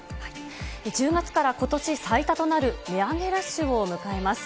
１０月からことし最多となる値上げラッシュを迎えます。